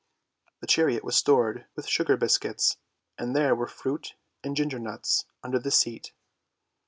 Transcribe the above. The chariot was stored with sugar biscuits, and there were fruit and ginger nuts under the seat.